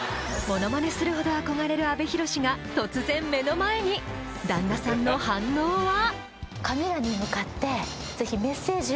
モノマネするほど憧れる阿部寛が突然目の前に旦那さんの反応は？